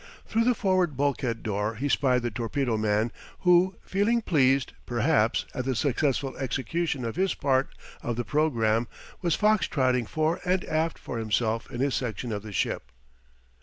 Through the forward bulkhead door he spied the torpedo man, who, feeling pleased, perhaps, at the successful execution of his part of the programme, was fox trotting fore and aft for himself in his section of the ship.